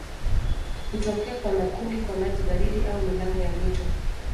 Hutokea kwa makundi kwa maji baridi au milango ya mito.